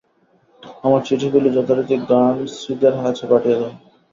আমার চিঠিগুলি যথারীতি গার্নসিদের কাছে পাঠিয়ে দিও।